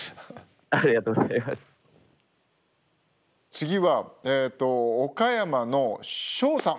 次は岡山のしょおさん。